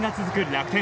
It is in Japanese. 楽天。